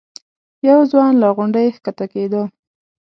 یو ځوان له غونډۍ ښکته کېده.